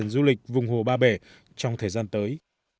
để phát triển du lịch vùng hồ bà bể trong thời gian tới